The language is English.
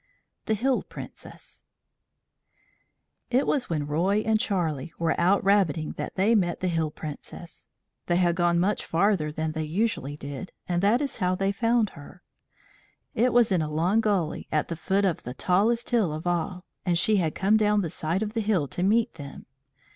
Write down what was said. THE HILL PRINCESS It was when Roy and Charlie were out rabbiting that they met the Hill Princess. They had gone much farther than they usually did, and that is how they found her. It was in a long gully at the foot of the tallest hill of all, and she had come down the side of the hill to meet them.